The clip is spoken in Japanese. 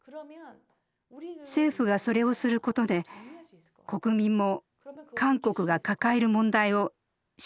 政府がそれをすることで国民も韓国が抱える問題をしっかり再認識できるんです。